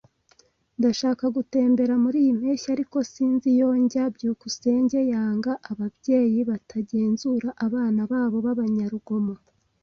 Ndashaka gutembera muriyi mpeshyi, ariko sinzi iyo njya. byukusenge yanga ababyeyi batagenzura abana babo b'abanyarugomo.